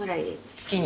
月に？